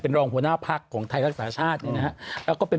เป็นรองหัวหน้าภักร์ของทศชนะครับแล้วก็เป็น